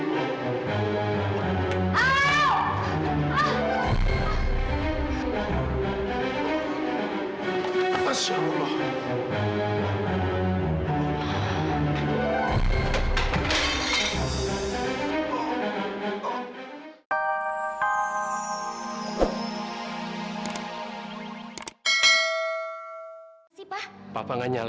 sampai jumpa di video selanjutnya